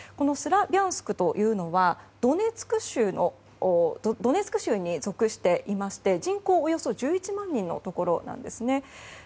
スラビャンスクというのはドネツク州に属していまして人口およそ１１万人のところなんですね。